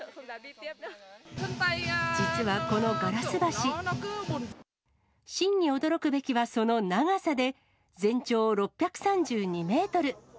実はこのガラス橋、真に驚くべきはその長さで、全長６３２メートル。